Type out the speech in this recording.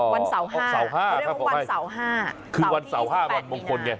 วันเสาร์๕คือวันเสาร์ที่๒๘มีนาคมคือวันมงคลไง